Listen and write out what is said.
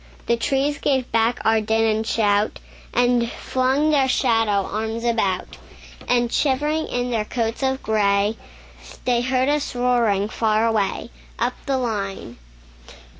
The trees gave back our din and shout, And flung their shadow arms about; And shivering in their coats of gray, They heard us roaring far away, Up the line.